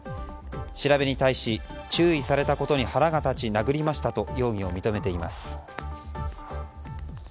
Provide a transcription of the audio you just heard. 調べに対し、注意されたことに腹が立ち殴りましたと容疑を認めています。